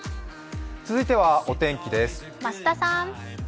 続いてはお天気です。